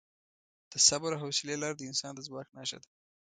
د صبر او حوصلې لار د انسان د ځواک نښه ده.